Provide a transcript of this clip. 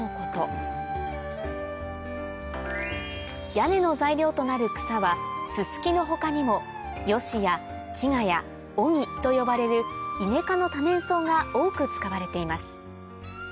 屋根の材料となる草はススキの他にもヨシやチガヤオギと呼ばれるイネ科の多年草が多く使われています